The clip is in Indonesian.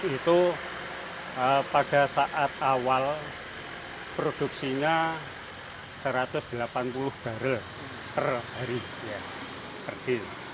itu pada saat awal produksinya satu ratus delapan puluh barrel per hari